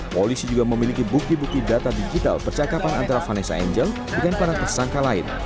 polisi juga memiliki bukti bukti data digital percakapan antara vanessa angel dengan para tersangka lain